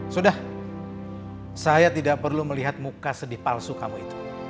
sudah saya tidak perlu melihat muka sedih palsu kamu itu